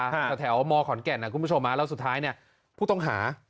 แถวมขอนแก่นนะคุณผู้ชมแล้วสุดท้ายเนี่ยผู้ต้องหา